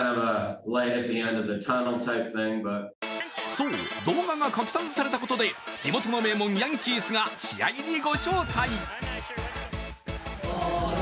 そう、動画が拡散されたことで地元の名門・ヤンキースが試合にご招待。